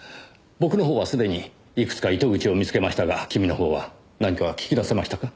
僕の方はすでにいくつか糸口を見つけましたが君の方は何か聞き出せましたか？